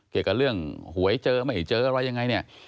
เกี่ยวกับเรื่องหวยเจอไม่เห็นเจออะไรอย่างไร